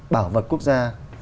bảo vật quốc gia